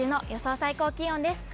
最高気温です。